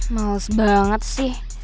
males banget sih